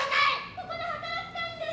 ここで働きたいんです！